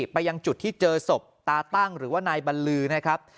ไปยังจุดที่เจอศพตาตั้งหรือว่านายบรรลือนะครับ